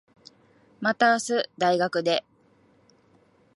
また明日、大学で。